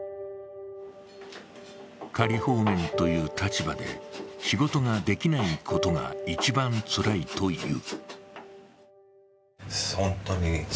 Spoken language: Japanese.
仮放免という立場で仕事ができないことが一番つらいという。